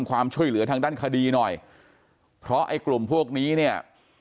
ความช่วยเหลือทางด้านคดีหน่อยเพราะไอ้กลุ่มพวกนี้เนี่ย